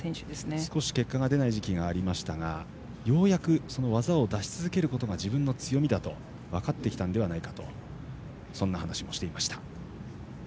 少し結果が出ない時期がありましたがようやく技を出し続けることが自分の強みだと分かってきたのではないかとそんな話もしていました。